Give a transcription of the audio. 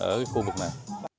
ở khu vực này